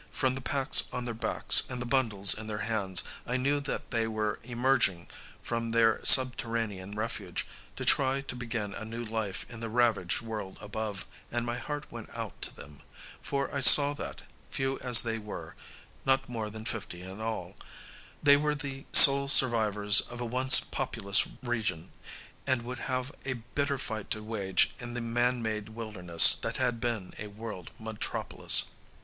From the packs on their backs and the bundles in their hands, I knew that they were emerging from their subterranean refuge, to try to begin a new life in the ravaged world above; and my heart went out to them, for I saw that, few as they were not more than fifty in all they were the sole survivors of a once populous region, and would have a bitter fight to wage in the man made wilderness that had been a world metropolis.